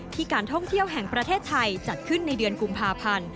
การท่องเที่ยวแห่งประเทศไทยจัดขึ้นในเดือนกุมภาพันธ์